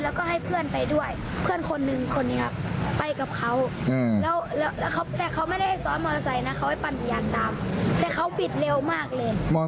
แล้วก็ให้เพื่อนไปด้วยเพื่อนคนนึงคนนี้ครับ